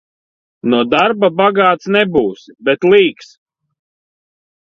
No darba bagāts nebūsi, bet līks.